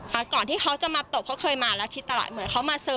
แต่ก่อนที่เขาจะมาตบเขาเคยมาอาทิตย์ตลาดเหมือนเขามา